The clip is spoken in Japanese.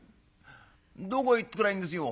どこ行ってくりゃいいんですよ」。